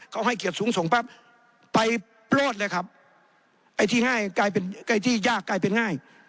เขาให้เกียรติสูงส่งปั๊บไปโปรดเลยครับไอ้ที่ง่ายกลายเป็นใกล้ที่ยากกลายเป็นง่าย